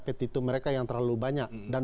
petitum mereka yang terlalu banyak dan